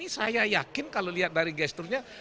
saya yakin kalau lihat dari gesturnya